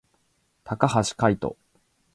高橋海人